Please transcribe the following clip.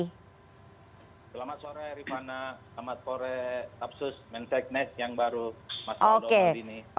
selamat sore ripana selamat sore tapsus mensesnek yang baru mas faldo maldini